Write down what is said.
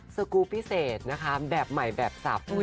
กูพิเศษนะคะแบบใหม่แบบสับ